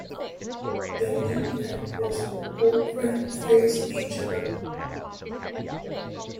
Then he and his old friend face each other.